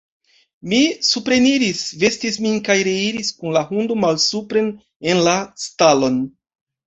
Mi supreniris, vestis min kaj reiris kun la hundo malsupren en la stalon.